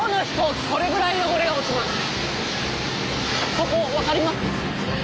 そこ分かります？